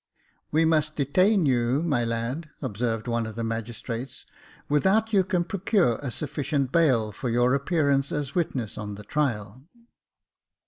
" We must detain you, my lad," observed one of the magistrates, " without you can procure a sufficient bail for your appearance as witness on the trial."